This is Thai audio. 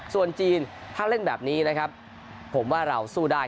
ส่วนจีนถ้าเล่นแบบนี้นะครับผมว่าเราสู้ได้